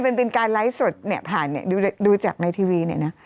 มันเป็นการไลฟ์สดเนี่ยผ่านเนี่ยดูจากในทีวีเนี่ยนะ